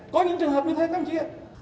có những trường hợp như thế thậm chí